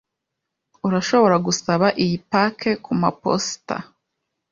Urashobora gusaba iyi paki kumaposita?